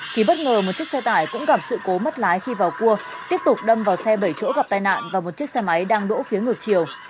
thì bất ngờ một chiếc xe tải cũng gặp sự cố mất lái khi vào cua tiếp tục đâm vào xe bảy chỗ gặp tai nạn và một chiếc xe máy đang đỗ phía ngược chiều